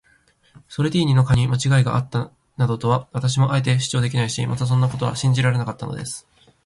ソルディーニの課にまちがいがあったなどとは、私もあえて主張できないし、またそんなことは信じられなかったのです。